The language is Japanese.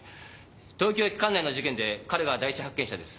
東京駅管内の事件で彼が第一発見者です。